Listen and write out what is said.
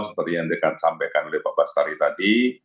seperti yang dikatakan oleh pak bastari tadi